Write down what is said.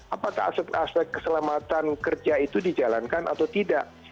apakah aspek aspek keselamatan kerja itu dijalankan atau tidak